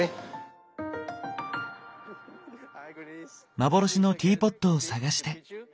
幻のティーポットを探して。